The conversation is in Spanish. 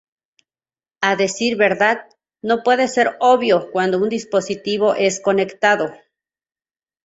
A decir verdad, no puede ser obvio cuando un dispositivo es conectado.